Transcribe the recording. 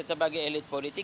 sebagai elit politik